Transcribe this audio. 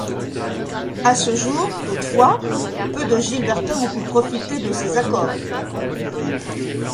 À ce jour, toutefois, peu de Gilbertins ont pu profiter de ces accords.